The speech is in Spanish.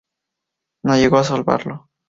No llegó a salvarlo.